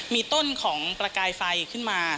มีต้นของประกายไฟขึ้นมา